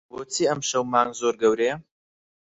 بۆچی ئەمشەو مانگ زۆر گەورەیە؟